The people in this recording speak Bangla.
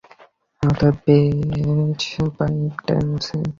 অতএব বেশ করে পাইপ টানছি এবং তার ফল ভালই হয়েছে।